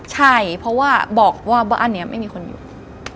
ใช่เพราะว่าบอกว่าบ้านนี้ไม่มีคนอยู่